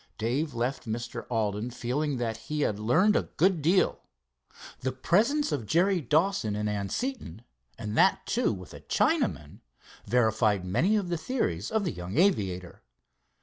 Dave left Mr. Alden feeling that he had learned a good deal. The presence of Jerry Dawson in Anseton, and that, too, with a Chinaman, verified many of the theories of the young aviator.